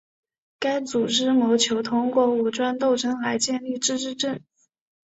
该组织谋求通过武装斗争来建立自治政府。